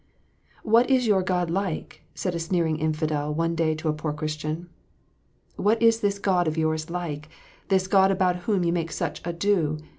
What is your God like 1 " said a sneering infidel one day to a poor Christian. " What is this God of yours like : this God about whom you make such ado